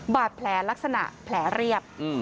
บาดแผลลักษณะแผลเรียบ